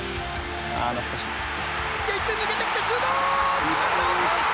抜けてきてシュート！